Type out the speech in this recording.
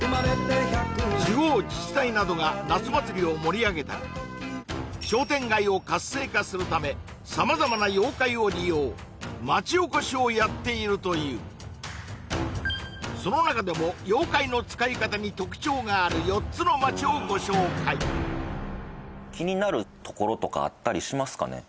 地方自治体などが夏祭りを盛り上げたり商店街を活性化するため様々な妖怪を利用町おこしをやっているというその中でも妖怪の使い方に特徴がある４つの町をご紹介気になるところとかあったりしますかね？